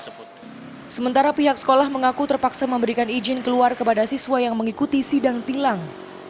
sementara pihak sekolah mengaku terpaksa memberikan izin keluar kepada siswa yang mengikuti sidang tilang